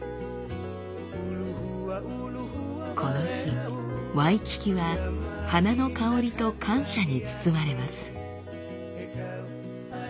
この日ワイキキは花の香りと感謝に包まれます。